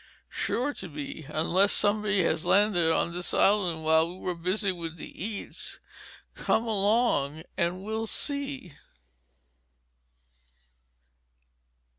"Sure to be. Unless somebody has landed on this island while we were busy with the eats. Come along and we'll see."